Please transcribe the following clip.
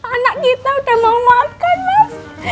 anak kita udah mau makan mas